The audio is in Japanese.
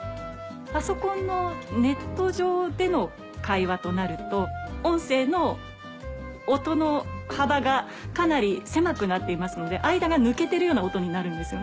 パソコンのネット上での会話となると音声の音の幅がかなり狭くなっていますので間が抜けてるような音になるんですよね。